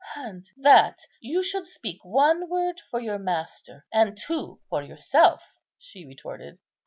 "And that you should speak one word for your Master and two for yourself!" she retorted.